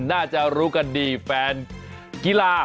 น่าจะรู้กันดีแฟนกีฬา